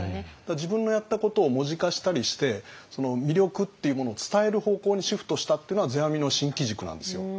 自分のやったことを文字化したりして魅力っていうものを伝える方向にシフトしたっていうのは世阿弥の新機軸なんですよ。